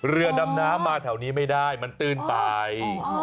เรือดำน้ำมาแถวนี้ไม่ได้มันตื้นไป